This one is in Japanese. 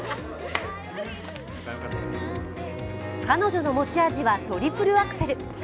彼女の持ち味は、トリプルアクセル。